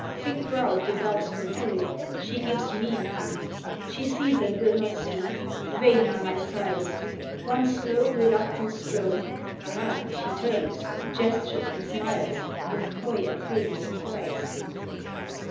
Thick crowd the doves for food. She gives ME none. She sees and will not see. Vain are my sighs. One slow, reluctant stroke. Aha! she turns, Gestures and smiles, with coy and feigned surprise.